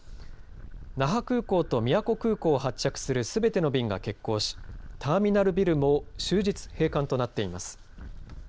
那覇空港と宮古空港を発着するすべての便が欠航しターミナルビルも終日閉館となっています。